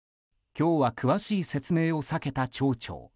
今日は詳しい説明を避けた町長。